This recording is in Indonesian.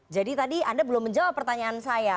jadi tadi anda belum menjawab pertanyaan saya